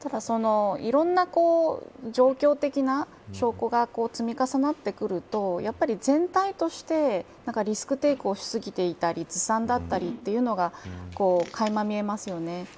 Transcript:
ただ、いろんな状況的な証拠が積み重なってくるとやっぱり、全体としてリスク抵抗しすぎていたりずさんだったりというのが垣間見えますよね。